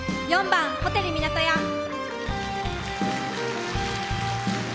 ４番「ホテル港や」。